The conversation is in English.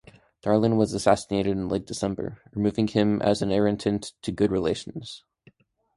Darlan was assassinated in late December, removing him as an irritant to good relations.